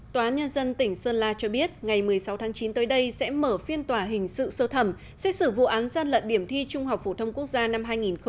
tòa nhân dân tỉnh sơn la cho biết ngày một mươi sáu tháng chín tới đây sẽ mở phiên tòa hình sự sơ thẩm xét xử vụ án gian lận điểm thi trung học phổ thông quốc gia năm hai nghìn một mươi chín